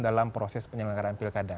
dalam proses penyelenggaraan pilkada